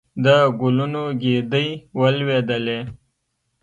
د ګلونو ګېدۍ ولېدلې.